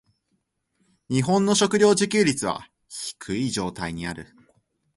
日本の食糧自給率は低い状態にある。